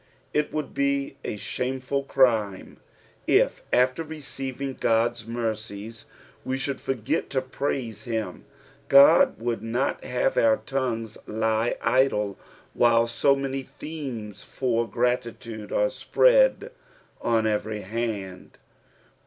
It would be a shameful crime, if, after receiving God's mercies, we should forget to praise him. God would not have our tongues lie idle while so many themes tot grati tude are spread on every hand.